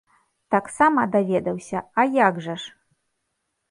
Таксама даведаўся, а як жа ж!